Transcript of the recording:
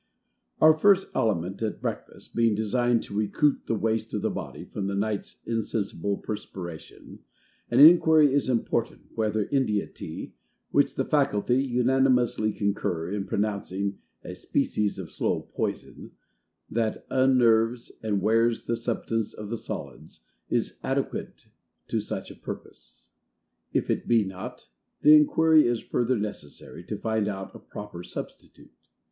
Our first aliment at breakfast, being designed to recruit the waste of the body from the night's insensible perspiration; an inquiry is important, whether INDIA TEA, which the Faculty unanimously concur in pronouncing a Species of Slow Poison, that unnerves and wears the substance of the solids, is adequate to such a purpose If it be not the inquiry is further necessary to find out a proper substitute.